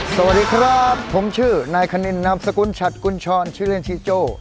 สวัสดีครับผมชื่อนายคณินนามสกุลฉัดกุญชรชื่อเล่นชื่อโจ้